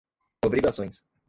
obrigações